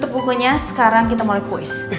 bukunya sekarang kita mulai kuis